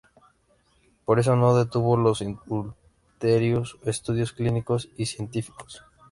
Pero eso no detuvo los ulteriores estudios clínicos y científicos.